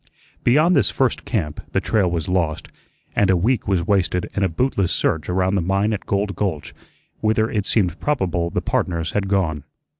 Beyond this first camp the trail was lost, and a week was wasted in a bootless search around the mine at Gold Gulch, whither it seemed probable the partners had gone.